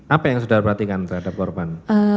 apa yang saudara perhatikan terhadap korban